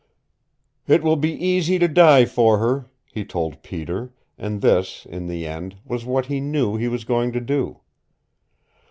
"It will be easy to die for her," he told Peter, and this, in the end, was what he knew he was going to do.